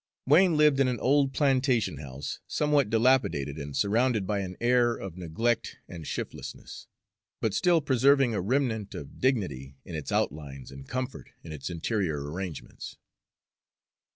Wain lived in an old plantation house, somewhat dilapidated, and surrounded by an air of neglect and shiftlessness, but still preserving a remnant of dignity in its outlines and comfort in its interior arrangements.